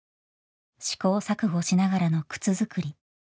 試行錯誤しながらの靴作り。